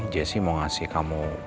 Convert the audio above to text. jesse mau ngasih kamu